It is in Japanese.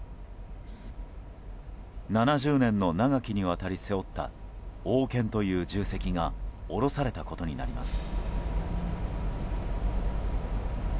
７０年の長きにわたり背負った王権という重責が下ろされたことになります。